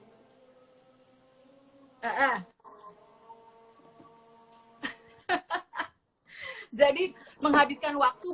jadi menghabiskan waktu